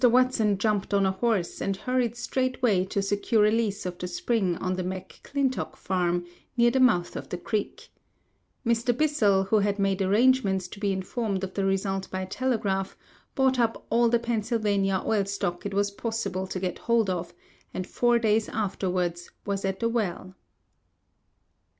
Watson jumped on a horse and hurried straightway to secure a lease of the spring on the McClintock farm, near the mouth of the creek. Mr. Bissell, who had made arrangements to be informed of the result by telegraph, bought up all the Pennsylvania oil stock it was possible to get hold of, and four days afterwards was at the well."